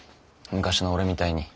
昔の俺みたいに。